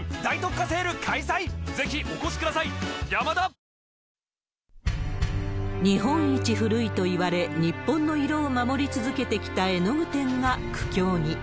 ポリグリップ日本一古いといわれ、日本の色を守り続けてきた絵の具店が苦境に。